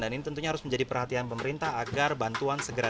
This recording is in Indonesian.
dan ini tentunya harus menjadi perhatian pemerintah agar bantuan segera